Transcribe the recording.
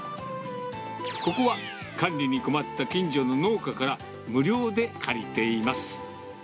ここは管理に困った近所の農家から無料で借りています。